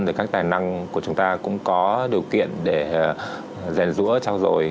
thì các tài năng của chúng ta cũng có điều kiện để rèn rũa trao dổi